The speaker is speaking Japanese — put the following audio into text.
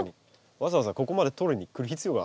わざわざここまで取りにくる必要が。